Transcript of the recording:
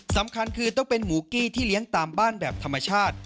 สำคัญคือต้องเป็นหมูกี้ที่เลี้ยงตามบ้านแบบธรรมชาติ